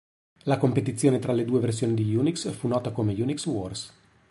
La competizione tra le due versioni di Unix fu nota come Unix wars.